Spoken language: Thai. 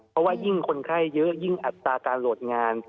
เพราะว่ายิ่งคนไข้เยอะยิ่งอัตราการโหลดงาน